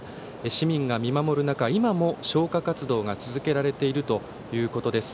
市民が見守る中、今も消火活動が続けられているということです。